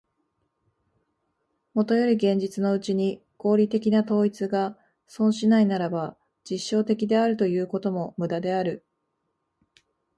もとより現実のうちに合理的な統一が存しないならば、実証的であるということも無駄である。